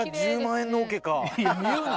言うな！